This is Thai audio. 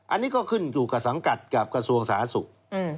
อันนี้ก็ขึ้นอยู่กับสังกัดกับกระทรวงสาธารณสุข